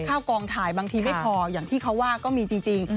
กองถ่ายบางทีไม่พออย่างที่เขาว่าก็มีจริง